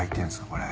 これ。